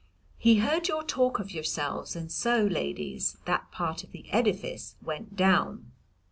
He heard your talk of yourselves, and so, ladies, that part of the edifice went down.